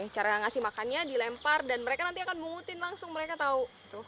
cara ngasih makannya dilempar dan mereka nanti akan memungutin langsung mereka tahu